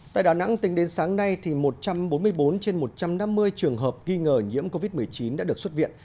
tại đà nẵng tính đến sáng nay một trăm bốn mươi bốn trên một trăm năm mươi trường hợp nghi ngờ nhiễm covid một mươi chín đã được xuất viện